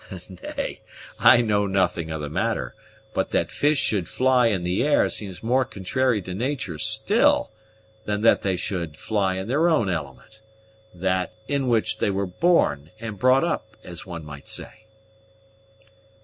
"Nay, I know nothing of the matter; but that fish should fly in the air seems more contrary to natur' still, than that they should fly in their own element that in which they were born and brought up, as one might say."